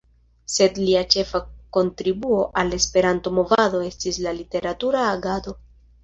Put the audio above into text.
Sed lia ĉefa kontribuo al la Esperanto-movado estis la literatura agado.